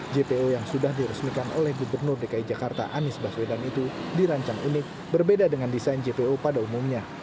jpo yang sudah diresmikan oleh gubernur dki jakarta anies baswedan itu dirancang unik berbeda dengan desain jpo pada umumnya